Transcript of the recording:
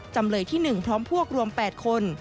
จำเลยที่๑พร้อมพวกรวม๘คน